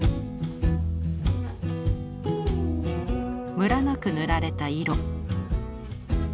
ムラなく塗られた色。